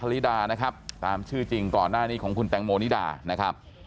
ลิดานะครับตามชื่อจริงก่อนหน้านี้ของคุณแตงโมนิดานะครับ